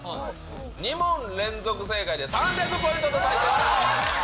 ２問連続正解で３００ポイントでございます。